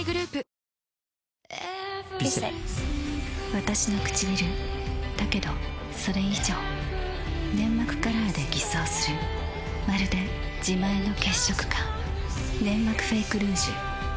わたしのくちびるだけどそれ以上粘膜カラーで偽装するまるで自前の血色感「ネンマクフェイクルージュ」